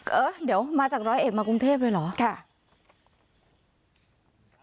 เออเดี๋ยวมาจากร้อยเอ็ดมากรุงเทพเลยเหรอ